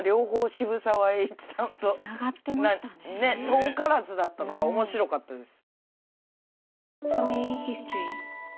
遠からずだったのが面白かったです。